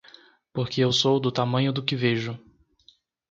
Porque eu sou do tamanho do que vejo.